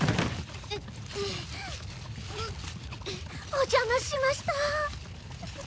お邪魔しました。